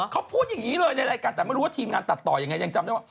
เขาพูดอย่างนี้เลยในรายการแต่ไม่รู้ว่าทีมงานตัดต่ออย่างไร